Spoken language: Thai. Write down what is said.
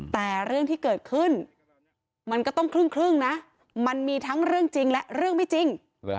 แต่เรื่องที่เกิดขึ้นมันก็ต้องครึ่งนะมันมีทั้งเรื่องจริงและเรื่องไม่จริง